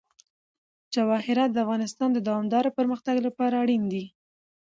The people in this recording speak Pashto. جواهرات د افغانستان د دوامداره پرمختګ لپاره اړین دي.